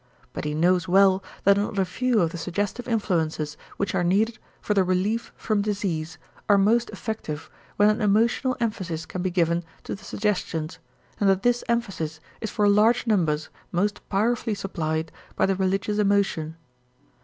But he knows well that not a few of the suggestive influences which are needed for the relief from disease are most effective when an emotional emphasis can be given to the suggestions and that this emphasis is for large numbers most powerfully supplied by the religious emotion.